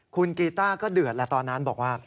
คุณกีต้าก็เดือดแล้วตอนนั้นบอกว่า